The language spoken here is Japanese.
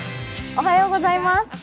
おはようございます。